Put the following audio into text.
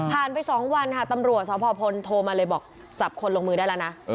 ไป๒วันค่ะตำรวจสพพลโทรมาเลยบอกจับคนลงมือได้แล้วนะ